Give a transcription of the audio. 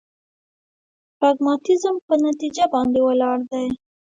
پراګماتيزم په نتيجه باندې ولاړ دی.